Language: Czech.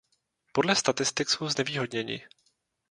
Podle statistik jsou znevýhodněni.